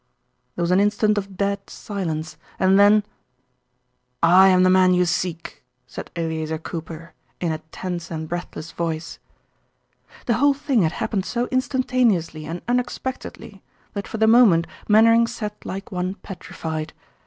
There was an instant of dead silence and then, "I am the man you seek!" said Eleazer Cooper, in a tense and breathless voice. The whole thing had happened so instantaneously and unexpectedly that for the moment Mainwaring sat like one petrified.